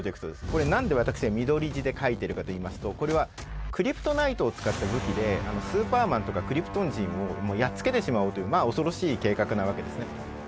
これ何で私が緑字で書いてるかといいますとこれはクリプトナイトを使った武器でスーパーマンとかクリプトン人をやっつけてしまおうというまあ恐ろしい計画なわけですね。